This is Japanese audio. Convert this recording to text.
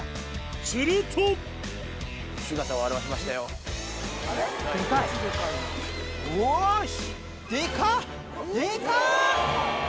するとよし！